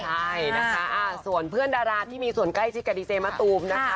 ใช่นะคะส่วนเพื่อนดาราที่มีส่วนใกล้ชิดกับดีเจมะตูมนะคะ